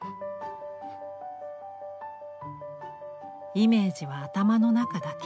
イメージは頭の中だけ。